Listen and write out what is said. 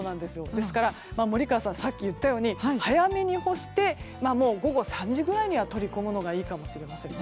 ですから森川さんがさっき言ったように早めに干して午後３時ぐらいには取り込むのがいいかもしれませんね。